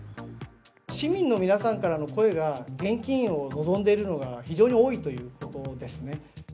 市民の皆さんからの声が、現金を望んでいるのが非常に多いということですね。